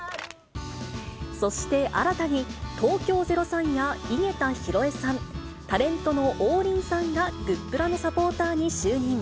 そして、新たに東京０３や井桁弘恵さん、タレントの王林さんがグップラのサポーターに就任。